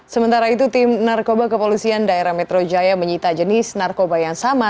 sementara itu tim narkoba kepolisian daerah metro jaya menyita jenis narkoba yang sama